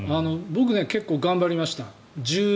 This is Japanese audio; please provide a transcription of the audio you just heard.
僕、結構頑張りました。